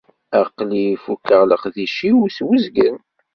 Aql-i fukkeɣ leqdic-iw s wezgen.